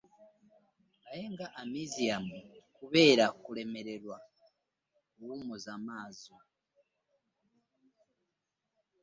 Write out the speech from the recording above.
Naye nga amaziam kubeera kulemererwa kuwumuzza maazo .